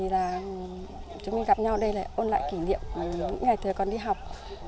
và chúng mình gặp nhau ở đây là ôn lại kỷ niệm những ngày thời còn đi học